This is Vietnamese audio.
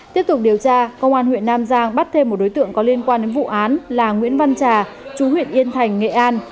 tiếp tục điều tra công an huyện nam giang bắt thêm một đối tượng có liên quan đến vụ án là nguyễn văn trà chú huyện yên thành nghệ an